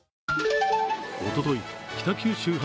おととい、北九州発